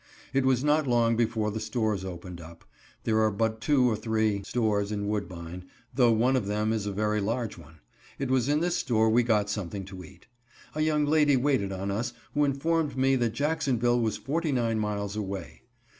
It was not long before the stores opened up. There are but two or three stores in Woodbine, though one of them is a very large one. It was in this store we got something to eat. A young lady waited on us, who informed me that Jacksonville was forty nine miles away.